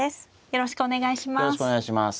よろしくお願いします。